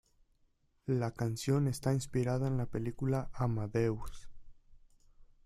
La canción está inspirada en la película "Amadeus".